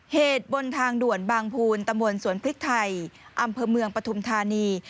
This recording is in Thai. เหตุบนทางด่วนบางภูลตำบลสวนพริกไทยอำเภอเมืองปฐุมธานี